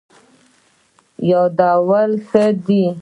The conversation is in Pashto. یادول ښه دی.